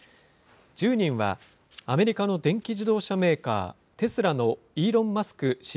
１０人はアメリカの電気自動車メーカー、テスラのイーロン・マスク